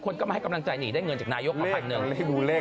คนก็มาให้กำลังจ่ายหนีได้เงินจากนายกก็๑๐๐๐บาท